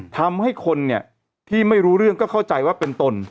ทำให้คนเนี่ยที่ไม่รู้เรื่องก็เข้าใจว่าเป็นตน